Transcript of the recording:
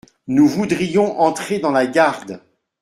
»Nous voudrions entrer dans la garde.